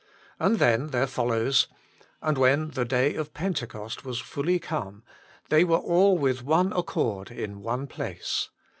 And then there follows :" And when the day of Pentecost was fully come, they were all with one accord in one place.